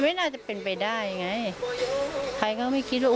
แม่ของแม่แม่ของแม่